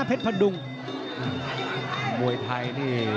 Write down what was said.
ส่วนคู่ต่อไปของกาวสีมือเจ้าระเข้ยวนะครับขอบคุณด้วย